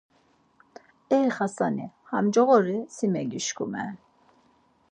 E Xasani, ha coğori si megişkumer.